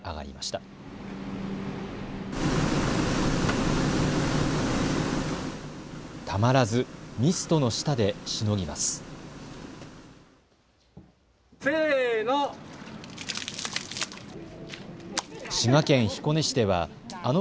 たまらずミストの下でしのぎます。